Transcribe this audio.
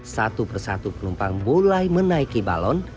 satu persatu penumpang mulai menaiki balon